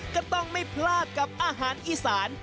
ก็ต้องไม่พลาดกับอาหารอีสาน